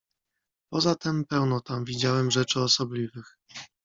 "Poza tem pełno tam widziałem rzeczy osobliwych."